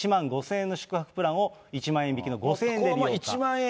１万５０００円の宿泊プランを１万円引きの５０００円で利用可。